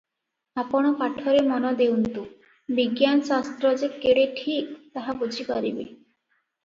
ଆପଣ ପାଠରେ ମନ ଦେଉନ୍ତୁ, ବିଜ୍ଞାନଶାସ୍ତ୍ର ଯେ କେଡ଼େ ଠିକ୍, ତାହା ବୁଝିପାରିବେ ।